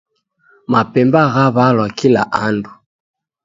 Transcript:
Mapemba ghaw'alwa kila andu